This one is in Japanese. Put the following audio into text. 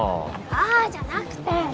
あぁじゃなくて。